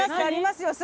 「あります。